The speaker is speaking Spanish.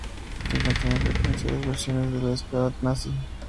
Se encuentran con frecuencia dos versiones de la esvástica nazi.